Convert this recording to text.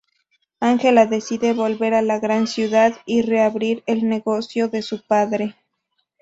Ángela decide volver a la gran ciudad y reabrir el negocio de su padre.